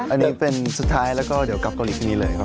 อันนี้เป็นสุดท้ายแล้วก็เดี๋ยวกลับเกาหลีพรุ่งนี้เลยครับ